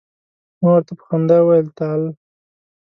ما ورته په خندا وویل تعال.